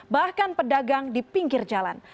bahkan pedagang di pinggir jalan